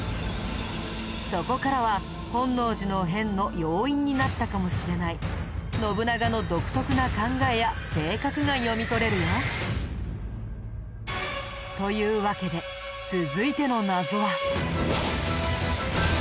そこからは本能寺の変の要因になったかもしれない信長の独特な考えや性格が読み取れるよ。というわけで続いての謎は。